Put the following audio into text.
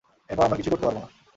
এরপর আমরা কিছুই করতে পারব না।